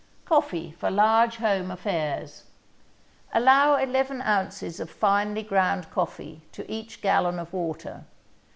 COFFEE FOR LARGE HOME AFFAIRS Allow eleven ounces of finely ground coffee to each gallon of water.